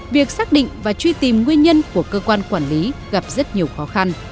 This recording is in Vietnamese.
việc xác định và truy tìm nguyên nhân của cơ quan quản lý gặp rất nhiều khó khăn